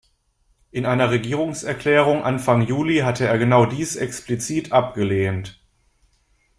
In einer Regierungserklärung Anfang Juli hatte er genau dies explizit abgelehnt.